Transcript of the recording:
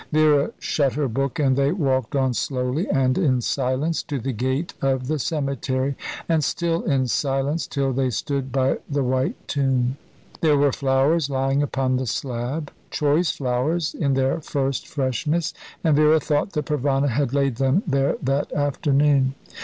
Vera shut her book, and they walked on slowly and in silence to the gate of the cemetery, and still in silence till they stood by the white tomb. There were flowers lying upon the slab, choice flowers, in their first freshness; and Vera thought that Provana had laid them there that afternoon.